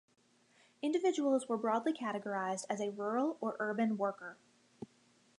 Individuals were broadly categorised as a "rural" or "urban" worker.